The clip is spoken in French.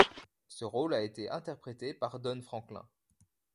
Ce rôle a été interprété par Don Franklin.